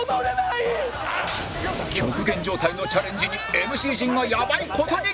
極限状態のチャレンジに ＭＣ 陣がやばい事に！